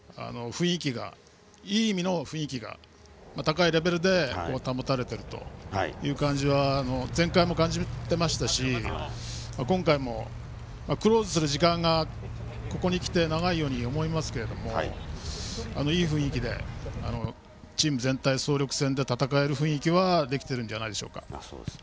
いい意味の雰囲気が高いレベルで保たれているという感じは前回も感じていましたし今回もクローズする時間がここに来て長いように思いますがいい雰囲気でチーム全体、総力戦で戦える雰囲気はできているんじゃないでしょうか。